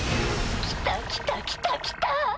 来た来た来た来た。